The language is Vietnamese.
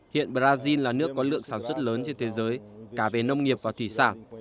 hiện brazil là nước có lượng sản xuất lớn trên thế giới cả về nông nghiệp và thủy sản